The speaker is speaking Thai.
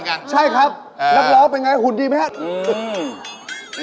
นั่งกระป๋าเลยลูกแล้วกับข้า